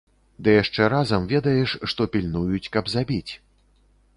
Ды яшчэ разам ведаеш, што пільнуюць, каб забіць.